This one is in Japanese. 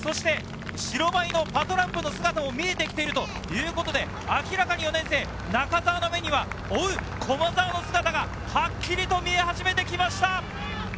白バイのパトランプの姿も見えてきているということで、４年生・中澤の目には追う駒澤の姿がはっきりと見え始めてきました。